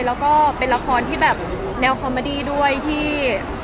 แล้วก็เป็นละครที่แบบแนวคอมเมอดี้ด้วยที่